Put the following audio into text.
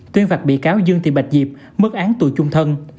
tuyên vặt bị cáo dương thị bạch diệp mất án tù chung thân